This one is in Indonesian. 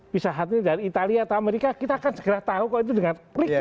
pisah hat ini dari italia atau amerika kita akan segera tahu kok itu dengan klik